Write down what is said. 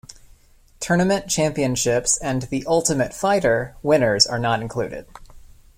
Tournament championships and The Ultimate Fighter winners are not included.